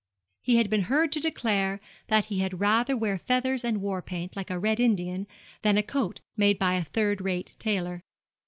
He had been heard to declare that he had rather wear feathers and war paint, like a red Indian, than a coat made by a third rate tailor.